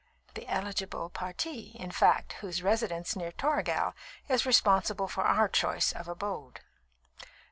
The eligible parti, in fact, whose residence near Toragel is responsible for our choice of abode."